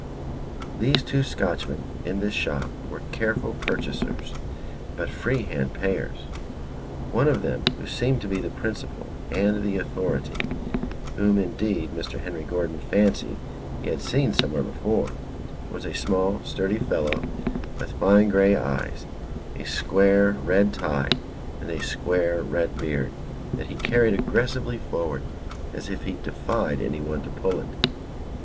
These two Scotchmen in this shop were careful purchasers, but free handed payers. One of them who seemed to be the principal and the authority (whom, indeed, Mr. Henry Gordon fancied he had seen somewhere before), was a small, sturdy fellow, with fine grey eyes, a square red tie and a square red beard, that he carried aggressively forward as if he defied anyone to pull it.